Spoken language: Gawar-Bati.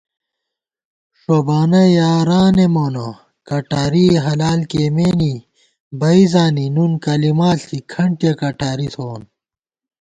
ݭوبانہ یارانے مونہ کٹارِئےحلال کېئیمېنے بئ زانی نُن کَلِما ݪی کھنٹِیَہ کٹاری تھووون